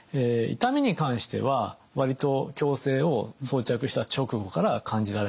痛みに関しては割と矯正を装着した直後から感じられることが多いです。